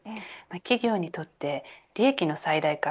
企業にとって利益の最大化